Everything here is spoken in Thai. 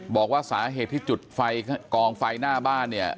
บอกว่าสาเหตุที่จุดไฟกองไฟหน้าบ้านเนี่ย